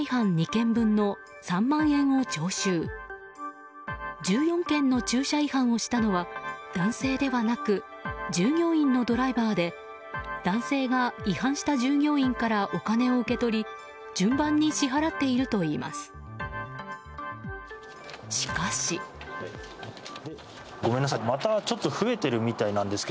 １４件の駐車違反をしたのは男性ではなく従業員のドライバーで男性が違反した従業員からお金を受け取り順番に支払っているといいます。